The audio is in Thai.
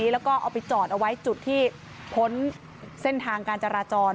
แล้วก็เอาไปจอดเอาไว้จุดที่พ้นเส้นทางการจราจร